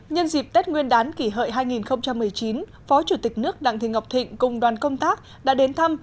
nhân dịp tết nguyên đán kỷ hợi hai nghìn một mươi chín phó chủ tịch nước đặng thị ngọc thịnh cùng đoàn công tác đã đến thăm